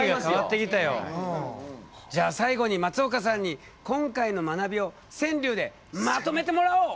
じゃあ最後に松岡さんに今回の学びを川柳でまとめてもらおう。